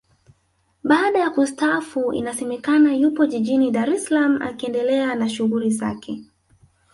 Baada kustaafu inasemekana yupo jijini Dar es Salaam akiendelea na shughuli zake